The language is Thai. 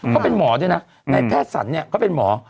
เขาเป็นหมอด้วยนะในแพทย์สรรเนี่ยเขาเป็นหมอ